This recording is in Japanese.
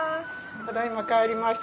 ただいま帰りました。